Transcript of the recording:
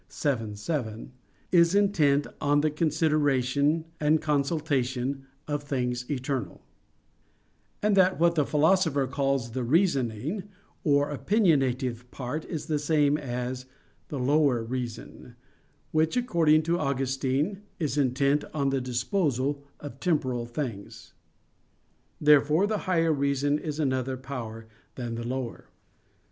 xii, 7) "is intent on the consideration and consultation of things eternal"; and that what the Philosopher calls the "reasoning" or "opinionative" part is the same as the lower reason, which, according to Augustine, "is intent on the disposal of temporal things." Therefore the higher reason is another power than the lower.